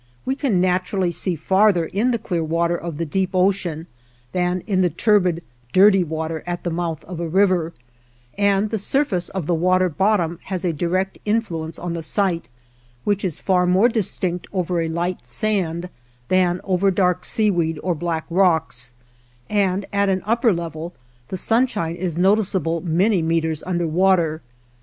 We can naturally see farther in the clear water of the deep ocean than in the turbid, dirty water at the mouth of a river, and the surface of the water bottom has a direct influence on the sight, which is far more distinct over a light sand than over dark seaweed or black rocks, and at an upper level the sunshine is noticeable many meters under water.